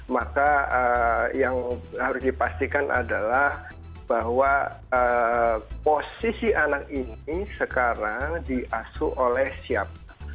maka yang harus dipastikan adalah bahwa posisi anak ini sekarang diasuh oleh siapa